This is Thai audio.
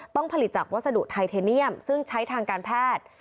ผลิตจากวัสดุไทเทเนียมซึ่งใช้ทางการแพทย์